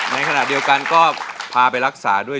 ในขณะเดียวกันก็พาไปรักษาด้วย